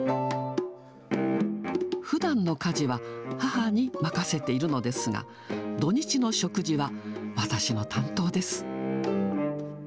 ふだんの火事は母に任せているのですが、土日の食事は私の担当です。